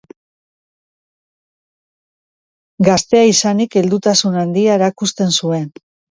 Gaztea izanik, heldutasun handia erakusten zuen.